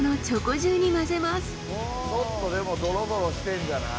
ちょっとでもドロドロしてんじゃない？